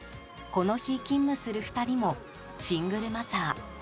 この日、勤務する２人もシングルマザー。